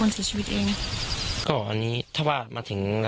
รอยอยู่ใกล้จากสมไหมฮะ